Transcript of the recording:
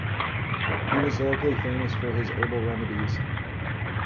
He was locally famous for his herbal remedies.